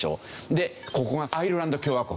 でここがアイルランド共和国。